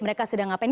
mereka sedang ngapain